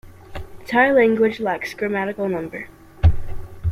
The Thai language lacks grammatical number.